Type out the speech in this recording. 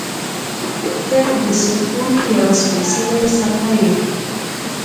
• ته د سکون یوه سپېڅلې څپه یې.